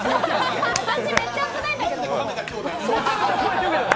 私、めっちゃ危ないんだけど。